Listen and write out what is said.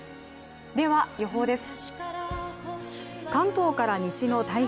では予報です。